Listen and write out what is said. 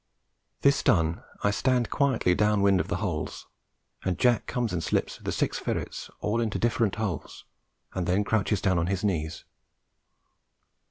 This done I stand quietly down wind of the holes, and Jack comes and slips the six ferrets all into different holes, and then crouches down on his knees.